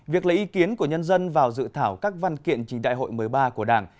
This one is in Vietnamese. việc lấy ý kiến của nhân dân vào dự thảo các văn kiện trình đại hội một mươi ba của đảng